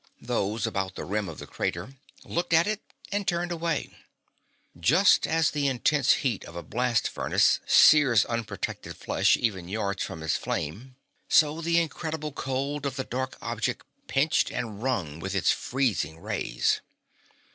Those about the rim of the crater looked at it and turned away. Just as the intense heat of a blast furnace sears unprotected flesh even yards from its flame, so the incredible cold of the dark object pinched and wrung with its freezing rays.